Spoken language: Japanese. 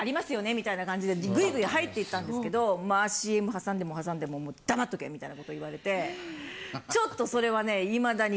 みたいな感じでグイグイ入っていったんですけどＣＭ挟んでも挟んでも「黙っとけ」みたいなこと言われてちょっとそれはねいまだに。